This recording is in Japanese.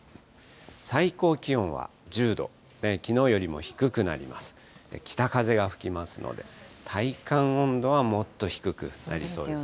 最高気温は１０度、きのうよりも低くなります。